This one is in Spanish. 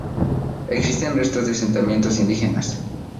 Existen, restos de asentamientos indígenas.